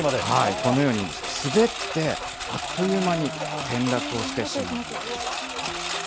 このように滑ってあっという間に転落をしてしまうんです。